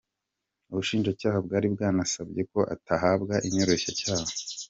Ubushinjacyaha bwari bwanasabye ko atahabwa inyoroshyacyaha.